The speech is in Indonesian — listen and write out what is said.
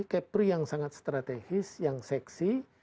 kepri yang sangat strategis yang seksi